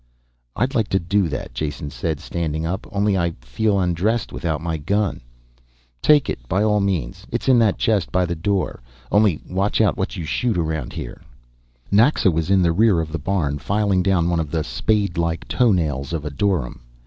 "I'd like to do that," Jason said, standing up. "Only I feel undressed without my gun " "Take it, by all means, it's in that chest by the door. Only watch out what you shoot around here." Naxa was in the rear of the barn, filing down one of the spadelike toenails of a dorym.